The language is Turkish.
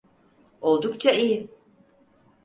Oldukça iyi.